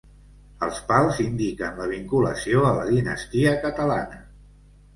Els pals indiquen la vinculació a la dinastia catalana.